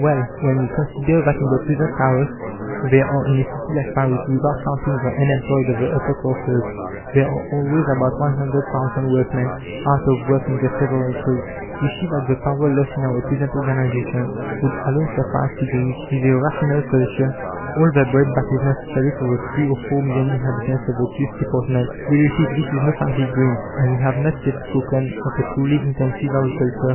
Well, when we consider that in the present chaos there are, in a city like Paris, without counting the unemployed of the upper classes, there are always about 100,000 workmen out of work in their several trades, we see that the power lost in our present organization would alone suffice to give, with a rational culture, all the bread that is necessary for the three or four million inhabitants of the two departments. We repeat, this is no fancy dream, and we have not yet spoken of the truly intensive agriculture.